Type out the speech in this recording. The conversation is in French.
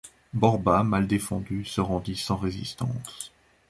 Borba, mal défendue, se rendit sans résistance.